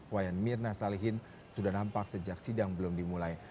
wayan mirna salihin sudah nampak sejak sidang belum dimulai